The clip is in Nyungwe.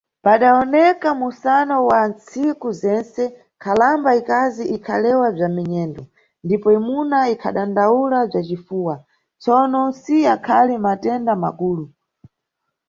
Padawoneka mʼmusano wa nntsiku zentse, nkhalamba ikazi ikhalewa bza minyendo ndipo imuna ikhadandawula bza cifuwa, tsono si yakhali matenda makulu.